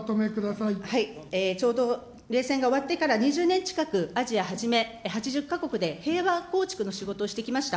ちょうど冷戦が終わってから２０年近く、アジアはじめ、８０か国で平和構築の仕事をしてきました。